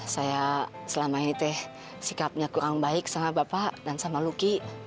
saya selama ini teh sikapnya kurang baik sama bapak dan sama lucky